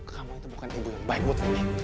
kamu itu bukan ibu yang baik buat